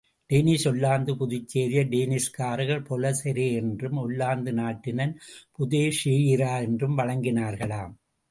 Danish ஒல்லாந்து புதுச்சேரியை டேனிஷ்காரர்கள் பொல செரே என்றும், ஒல்லாந்து நாட்டினர் புதேஷேயிரா என்றும் வழங்கினார்களாம்.